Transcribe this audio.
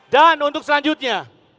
dan untuk selanjutnya